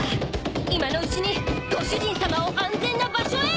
今のうちにご主人さまを安全な場所へ！